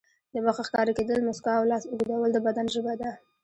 د مخ ښکاره کېدل، مسکا او لاس اوږدول د بدن ژبه ده.